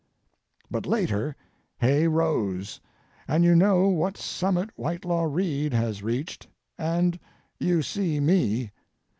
But later Hay rose, and you know what summit Whitelaw Reid has reached, and you see me.